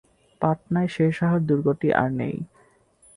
পাটনায় শের শাহের দুর্গটি আর নেই।